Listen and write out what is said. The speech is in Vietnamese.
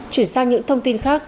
chuyển sang những thông tin khác